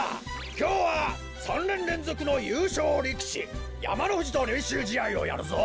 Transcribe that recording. きょうは３ねんれんぞくのゆうしょうりきしやまのふじとれんしゅうじあいをやるぞ。